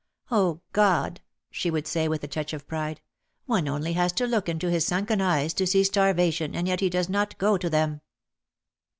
Oh, God," she would say, with a touch of pride, "one only has to look into his sunken eyes to see starvation and yet he does not go to them."